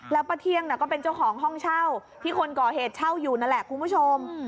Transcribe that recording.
แล้วป้าเที่ยงก็เป็นเจ้าของห้องเช่าที่คนก่อเหตุเช่าอยู่นั่นแหละคุณผู้ชม